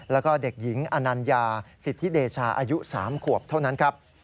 แล้วก็เด็กหญิงอนัญญาสิทธิเดชาอายุ๓ขวบเท่านั้นครับ